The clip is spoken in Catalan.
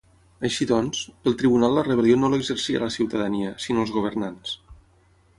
Així doncs, pel tribunal la rebel·lió no l’exercia la ciutadania, sinó els governants.